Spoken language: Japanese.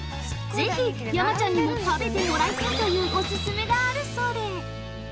ぜひ、山ちゃんにも食べてもらいたいというオススメがあるそうで。